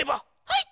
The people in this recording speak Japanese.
はい！